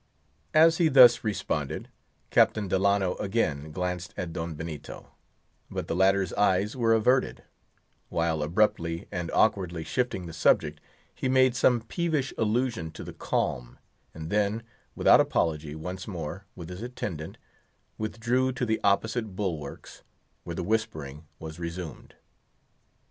As he thus responded, Captain Delano again glanced at Don Benito, but the latter's eyes were averted; while abruptly and awkwardly shifting the subject, he made some peevish allusion to the calm, and then, without apology, once more, with his attendant, withdrew to the opposite bulwarks, where the whispering was resumed.